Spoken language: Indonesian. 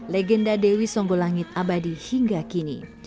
legenda dewi songgolangit abadi hingga kini